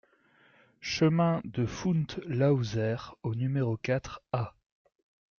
Chemin de Fount Laouzert au numéro quatre A